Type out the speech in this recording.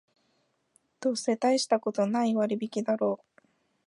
どうせたいしたことない割引だろう